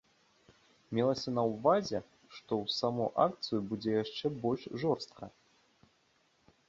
Мелася на ўвазе, што ў саму акцыю будзе яшчэ больш жорстка.